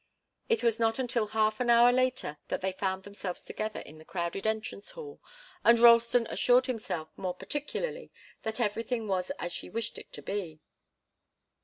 It was not until half an hour later that they found themselves together in the crowded entrance hall, and Ralston assured himself more particularly that everything was as she wished it to be.